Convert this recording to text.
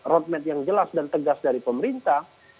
road map yang jelas dan tegas dari pemerintah